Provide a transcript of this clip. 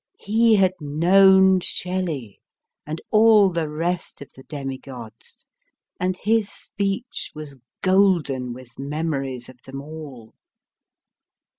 He had known Shelley, and all the rest of the demigods, and his speech was golden with memories of them all